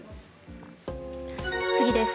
次です。